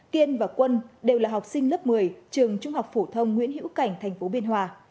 kiên và quân đều là học sinh lớp một mươi trường trung học phổ thông nguyễn hữu cảnh tp biên hòa